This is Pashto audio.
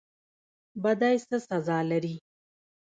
بدی څه سزا لري؟